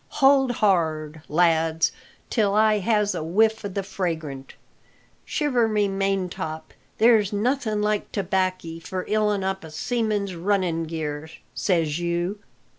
"Hold hard, lads, till I has a whiff o' the fragrant! Shiver my maintop! there's nothing like tobackie for ilin' up a seaman's runnin' gear, says you!"